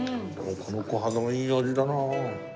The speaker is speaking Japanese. このコハダもいい味だな。